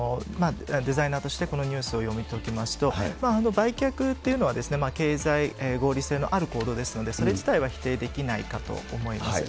デザイナーとして、このニュースを読み解きますと、売却っていうのは経済合理性のある行動ですので、それ自体は否定できないかと思います。